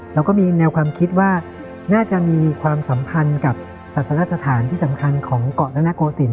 เราก็มีแนวความคิดว่าน่าจะมีความสัมพันธ์กับศาสนสถานที่สำคัญของเกาะนโกศิลป